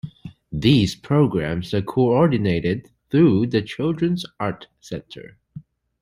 These programs are coordinated through the Children's Art Centre.